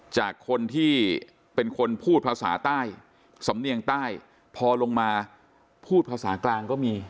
จากคนที่เป็นคนพูดภาษาใต้สำเนียงใต้พอลงมาพูดภาษากลางก็มี